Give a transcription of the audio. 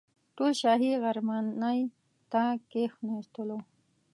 ټول شاهي غرمنۍ ته کښېنستلو.